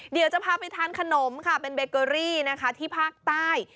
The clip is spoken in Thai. เดี๋ยวจะพาไปทานขนมค่ะเป็นเบเกอรี่นะคะที่ภาคใต้